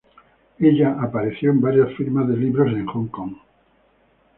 Ella apareció en varias firmas de libros en Hong Kong.